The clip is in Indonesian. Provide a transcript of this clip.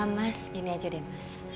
mas gini aja deh mas